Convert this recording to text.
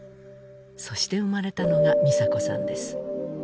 そして生まれたのが美砂子さんです